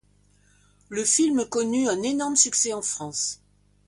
Le film connu un énorme succès en France.